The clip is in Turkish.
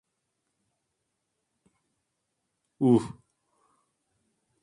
Uh...